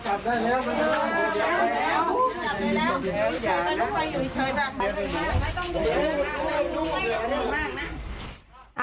ไป